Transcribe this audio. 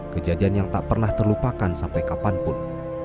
kejadian yang tak pernah terlupakan sampai kapanpun